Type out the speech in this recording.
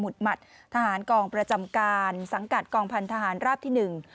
หมัดทหารกองประจำการสังกัดกองพันธหารราบที่หนึ่ง